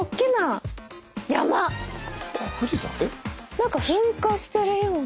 何か噴火してるような。